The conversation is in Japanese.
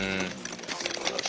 すばらしい。